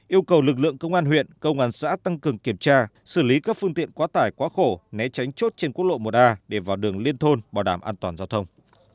yêu cầu lực lượng công an huyện công an xã tăng cường kiểm tra xử lý các phương tiện quá tải quá khổ né tránh chốt trên quốc lộ một a để vào đường liên thôn bảo đảm an toàn giao thông